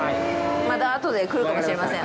また後で来るかもしれません。